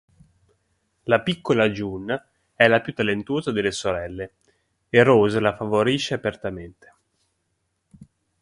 La piccola June è la più talentuosa delle sorelle e Rose la favorisce apertamente.